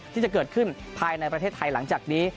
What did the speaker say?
ที่จะเกิดขึ้นภายในประเทศไทยหลังจากนี้